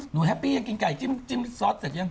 แฮปปี้ยังกินไก่จิ้มซอสเสร็จยัง